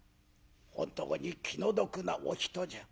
「本当に気の毒なお人じゃ。